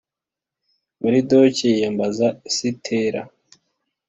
maridoke yiyambaza esitera